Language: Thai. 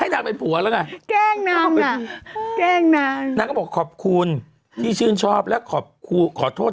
นางก็บอกขอบคุณที่ชื่นชอบและขอโทษ